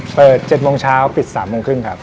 เปิด๗โมงเช้าปิด๓โมงครึ่งครับ